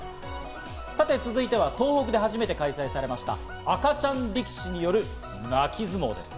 さて続いては、東北で初めて開催されました赤ちゃん力士による泣き相撲です。